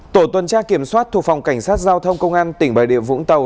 tổ tuần tra kiểm soát thuộc phòng cảnh sát giao thông công an tỉnh bài đệ vũng tàu